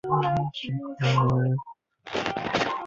伊犁驼蹄瓣为蒺藜科驼蹄瓣属的植物。